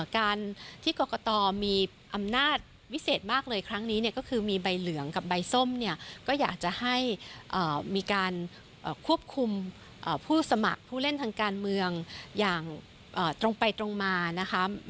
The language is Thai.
การที่กรกตมีอำนาจวิเศษมากเลยครั้งนี้เนี่ยก็คือมีใบเหลืองกับใบส้มเนี่ยก็อยากจะให้มีการควบคุมผู้สมัครผู้เล่นทางการเมืองอย่างตรงไปตรงมานะคะ